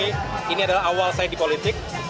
saya ingin terus berpolitik